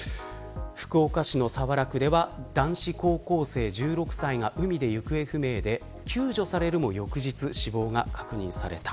福岡市の早良区では男子高校生１６歳が海で行方不明で救助されるも翌日、死亡が確認された。